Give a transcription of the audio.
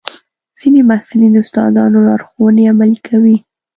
ځینې محصلین د استادانو لارښوونې عملي کوي.